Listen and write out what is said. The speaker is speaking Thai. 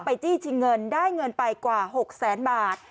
จี้ชิงเงินได้เงินไปกว่า๖แสนบาท